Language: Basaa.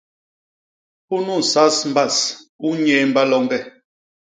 Unu nsas mbas u nnyéémba loñge.